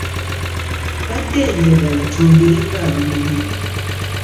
Mbadde njagala twogere nga abamanyi.